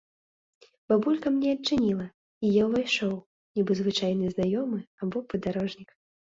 Бабулька мне адчыніла, і я ўвайшоў, нібы звычайны знаёмы або падарожнік.